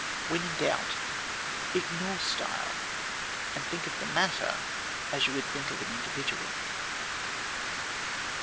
When in doubt, ignore style, and think of the matter as you would think of an individual.